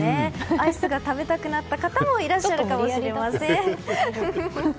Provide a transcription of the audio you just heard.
アイスが食べたくなった方もいらっしゃるかもしれません。